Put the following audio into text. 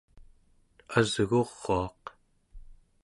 asguruaq